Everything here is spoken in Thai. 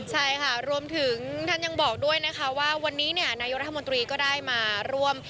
ใช่ค่ะรวมถึงท่านยังบอกด้วยนะคะว่าวันนี้นายกรัฐมนตรีก็ได้มาร่วม